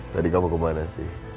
tadi kamu kemana sih